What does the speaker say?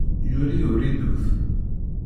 Yuli uridut.